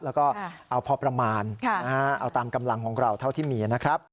แล้วก็เอาพอประมาณเอาตามกำลังของเราเท่าที่มีนะครับ